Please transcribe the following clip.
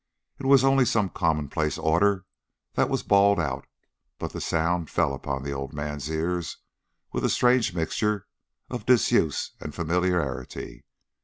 It was only some commonplace order that was bawled out, but the sound fell upon the old man's ears with a strange mixture of disuse and familiarity.